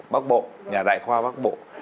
bác bộ nhà đại khoa bác bộ